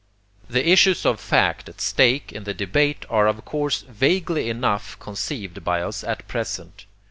The issues of fact at stake in the debate are of course vaguely enough conceived by us at present.